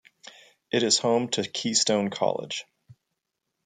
It is home to Keystone College.